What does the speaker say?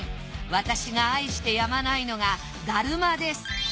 私が愛してやまないのが達磨です。